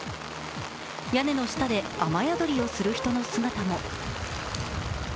屋根の下で雨宿りをする人の姿も。